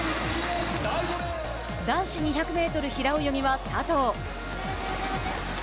男子２００メートル平泳ぎは佐藤。